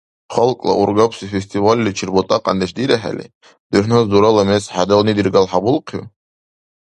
Халкьани-ургабси фестивальличир бутӀакьяндеш дирухӀели, дурхӀнас дурала мез хӀедални диргалахӀебулхъив?